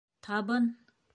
Табын!